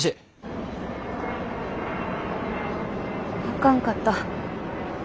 あかんかった。